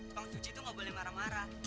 soang cuci tuh nggak boleh marah marah